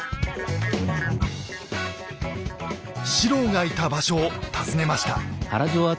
四郎がいた場所を訪ねました。